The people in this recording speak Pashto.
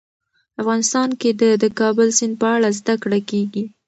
افغانستان کې د د کابل سیند په اړه زده کړه کېږي.